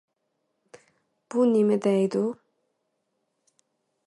These coherent photons are referred to as ballistic photons.